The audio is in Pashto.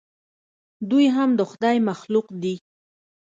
دوى هم د خداى مخلوق دي.